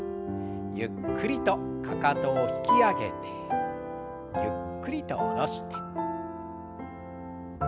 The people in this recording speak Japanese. ゆっくりとかかとを引き上げてゆっくりと下ろして。